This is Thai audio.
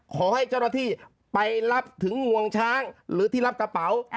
ขอให้เจ้าหน้าที่ไปรับถึงงวงช้างหรือที่รับกระเป๋า